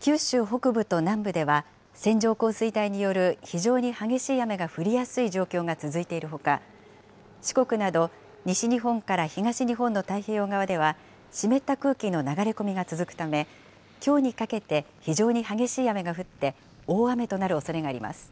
九州北部と南部では、線状降水帯による非常に激しい雨が降りやすい状況が続いているほか、四国など西日本から東日本の太平洋側では、湿った空気の流れ込みが続くため、きょうにかけて非常に激しい雨が降って、大雨となるおそれがあります。